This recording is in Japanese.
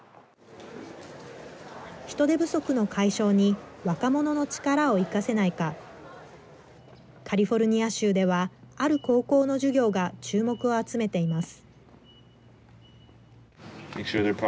人手不足の解消に、若者の力を生かせないか、カリフォルニア州では、ある高校の授業が注目を集めています。